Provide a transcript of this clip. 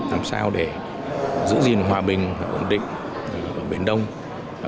làm sao để giữ gìn hòa bình